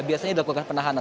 biasanya dilakukan penahanan